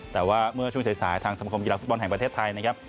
แต่ว่าเมื่อช่วงสายทางสมคมกีฬาฟุตบอลแห่งประเทศไทยนะครับ